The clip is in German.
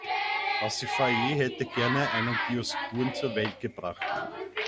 Pasiphae hätte gern einen Dioskuren zur Welt gebracht.